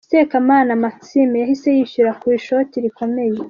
Sekamana Maxime yahise yishyura ku ishoti rikomeye.